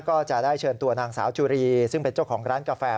ก็จะได้เชิญตัวนางสาวจุรีซึ่งเป็นเจ้าของร้านกาแฟ